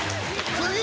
「次！